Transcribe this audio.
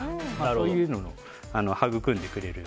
そういうのを育んでくれる。